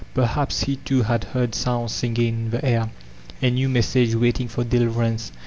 Perhaps he, too, had heard sounds singing in the air, a new message waiting for deliverance.